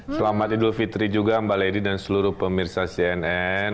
selamat idul fitri juga mbak lady dan seluruh pemirsa cnn